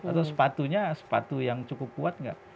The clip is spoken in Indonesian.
atau sepatunya sepatu yang cukup kuat nggak